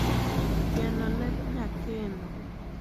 geno lep nyakeno